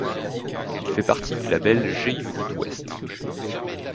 Il fait partie du label G-Unit West.